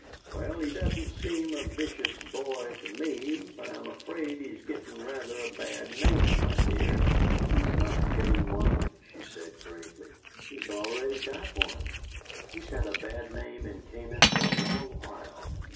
"Well, he doesn't seem a vicious boy to me, but I'm afraid he's getting rather a bad name, my dear." "He's not getting one," she said, gravely. "He's already got one. He's had a bad name in Canaan for a long while.